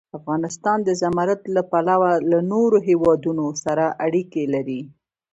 افغانستان د زمرد له پلوه له نورو هېوادونو سره اړیکې لري.